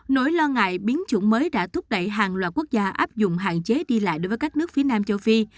nỗi lo ngại biến chủng mới đã thúc đẩy hàng loạt quốc gia áp dụng hạn chế đi lại đối với các nước phía nam châu phi